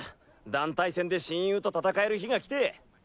団体戦で親友と戦える日が来て。